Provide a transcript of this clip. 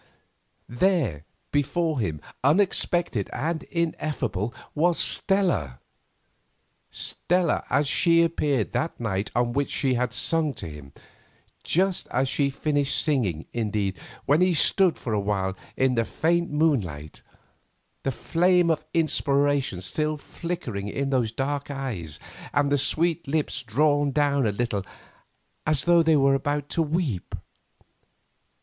there before him, unexpected and ineffable, was Stella; Stella as she appeared that night on which she had sung to him, just as she finished singing, indeed, when he stood for a while in the faint moonlight, the flame of inspiration still flickering in those dark eyes and the sweet lips drawn down a little as though she were about to weep.